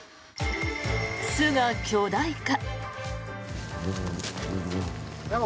巣が巨大化。